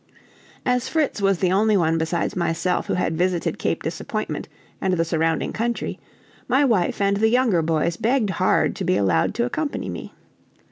As Fritz was the only one besides myself who had visited Cape Disappointment and the surrounding country, my wife and the younger boys begged hard to be allowed to accompany me.